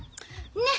ねっ！